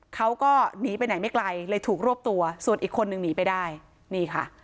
เขาก็หนีไปไหนไม่ไกลเลยถูกรวบตัวส่วนอีกคนนึงหนีไปได้นี่ค่ะ